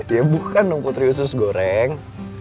ya bukan dong putri usus goreng